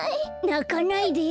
なかないで。